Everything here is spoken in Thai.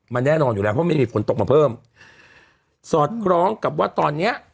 มันแน่นอนอยู่แล้วเพราะไม่มีฝนตกมาเพิ่มสอดคล้องกับว่าตอนเนี้ย